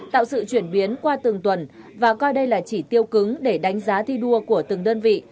tạo sự chuyển biến qua từng tuần và coi đây là chỉ tiêu cứng để đánh giá thi đua của từng đơn vị